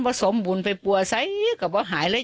ว่าสมบุญไปปลั่วสายกับว่าหายเลย